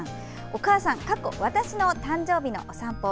お母さん、つまり私の誕生日のお散歩。